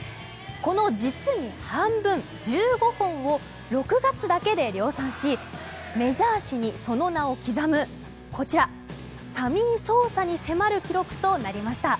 この実に半分、１５本を６月だけで量産しメジャー史にその名を刻むこちらサミー・ソーサに迫る記録となりました。